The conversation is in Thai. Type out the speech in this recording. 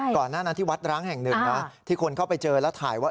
ก่อนหน้านั้นที่วัดร้างแห่งหนึ่งนะที่คนเข้าไปเจอแล้วถ่ายว่า